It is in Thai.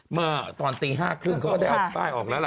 หมอตอนตีห้าครึ่งเขาก็ได้เอาป้ายออกแล้วล่ะ